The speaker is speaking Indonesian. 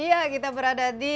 iya kita berada di